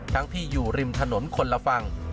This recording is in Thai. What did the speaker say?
ทั้งที่อยู่ริมถนนคนละฝั่ง